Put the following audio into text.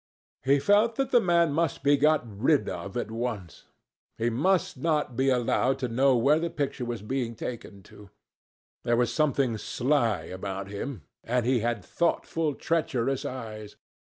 He felt that the man must be got rid of at once. He must not be allowed to know where the picture was being taken to. There was something sly about him, and he had thoughtful, treacherous eyes.